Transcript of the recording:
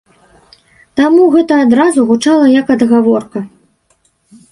Таму гэта адразу гучала як адгаворка.